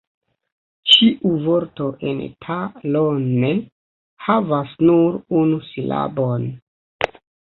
Ĉiu vorto en "Ta lo ne" havas nur unu silabon.